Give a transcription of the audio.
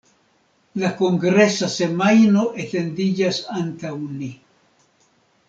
La kongresa semajno etendiĝas antaŭ ni.